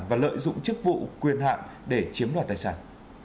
và lợi dụng chức vụ quyền hạn để chiếm đoạt tài sản